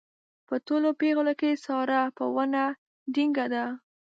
په ټولو پېغلو کې ساره په ونه دنګه ده.